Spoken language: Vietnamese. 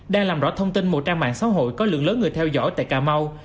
đang làm rõ thông tin một trang mạng xã hội có lượng lớn người theo dõi tại cà mau